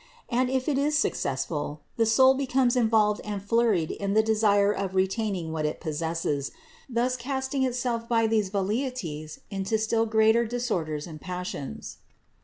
And if it is successful, the soul becomes involved and flurried in the desire of re taining what it possesses, thus casting itself by these velleities into still greater disorders and passions.